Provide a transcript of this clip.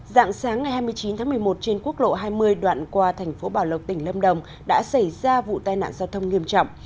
dạng sáng ngày hai mươi chín tháng một mươi một trên quốc lộ hai mươi đoạn qua thành phố bảo lộc tỉnh lâm đồng đã xảy ra vụ tai nạn giao thông nghiêm trọng